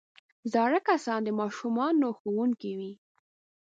زاړه کسان د ماشومانو ښوونکي وي